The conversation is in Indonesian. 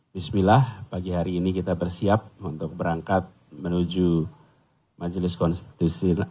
bismillah pagi hari ini kita bersiap untuk berangkat menuju majelis konstitusi